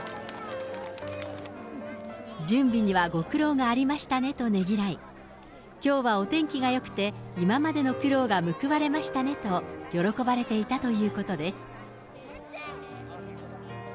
準備にはご苦労がありましたねとねぎらい、きょうはお天気がよくて、今までの苦労が報われましたねと喜ばれていたということです。